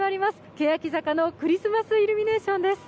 けやき坂のクリスマスイルミネーションです。